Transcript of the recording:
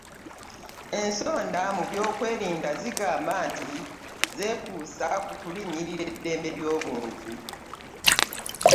Ensonda mu by'okwerinda zigamba nti zeekuusa ku kulinnyirira ddembe ly'obuntu.